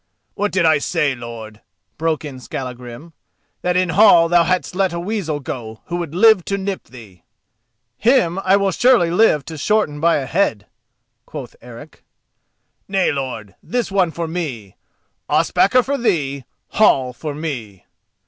"What did I say, lord?" broke in Skallagrim—"that in Hall thou hadst let a weasel go who would live to nip thee?" "Him I will surely live to shorten by a head," quoth Eric. "Nay, lord, this one for me—Ospakar for thee, Hall for me!"